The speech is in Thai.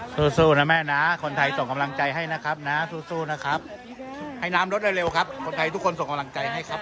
สู้นะแม่นะคนไทยส่งกำลังใจให้นะครับนะสู้นะครับให้น้ำลดเร็วครับคนไทยทุกคนส่งกำลังใจให้ครับ